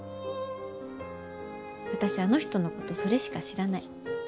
私あの人のことそれしか知らない。